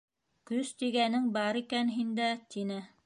Көс тигәнең бар икән һиндә! — тине.